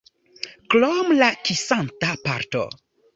Krom la kisanta parto.